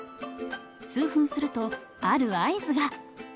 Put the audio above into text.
数分するとある合図が。